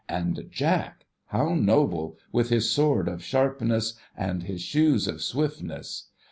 And Jack — how noble, with his sword of sharpness, and his shoes of swiftness